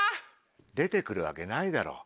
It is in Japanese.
出て来るわけないだろ。